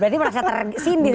berarti merasa tersindir